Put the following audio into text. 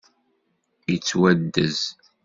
Yettwaddez.